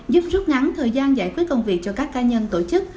giúp rút ngắn thời gian giải quyết công việc cho các cá nhân tổ chức